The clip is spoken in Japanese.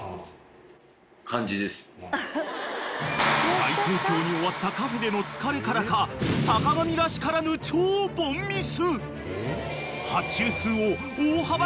［大盛況に終わったカフェでの疲れからか坂上らしからぬ超凡ミス］